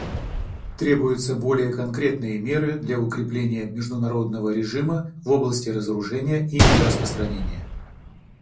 Требуются более конкретные меры для укрепления международного режима в области разоружения и нераспространения.